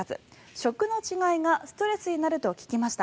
食の違いがストレスになると聞きました。